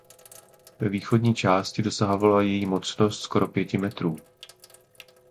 Ve východní části dosahovala její mocnost skoro pěti metrů.